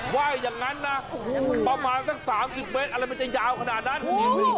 ว่าอย่างนั้นนะประมาณสัก๓๐เมตรอะไรมันจะยาวขนาดนั้น